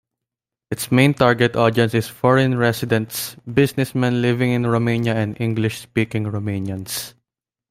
Its main target audience is foreign residents, businessmen living in Romania and English-speaking Romanians.